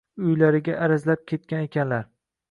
uylariga arazlab ketgan ekanlar.